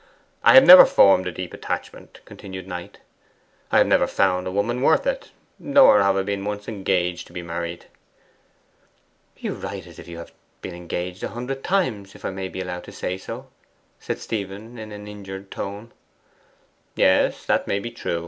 'I have never formed a deep attachment,' continued Knight. 'I never have found a woman worth it. Nor have I been once engaged to be married.' 'You write as if you had been engaged a hundred times, if I may be allowed to say so,' said Stephen in an injured tone. 'Yes, that may be.